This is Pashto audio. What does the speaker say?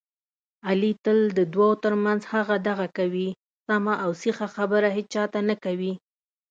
علي تل د دوو ترمنځ هغه دغه کوي، سمه اوسیخه خبره هېچاته نه کوي.